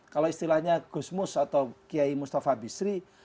kalau istilahnya gusmus atau kiai mustafa bisri